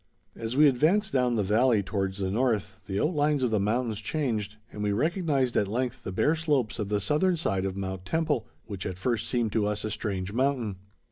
As we advanced down the valley towards the north, the outlines of the mountains changed, and we recognized at length the bare slopes of the southern side of Mount Temple, which at first seemed to us a strange mountain.